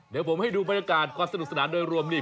เดี๋ยวผมให้ดูบรรยากาศความสนุกสนานโดยรวมนี่